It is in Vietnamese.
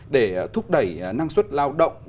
để thúc đẩy năng suất lao động